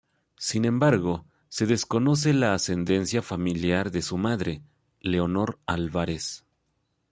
Sin embargo, se desconoce la ascendencia familiar de su madre, Leonor Álvarez.